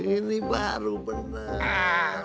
ini baru benar